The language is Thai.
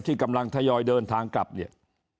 ที่กำลังทยอยเดินทางกลับเนี่ย